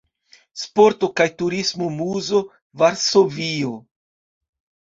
Sporto kaj Turismo-Muzo, Varsovio.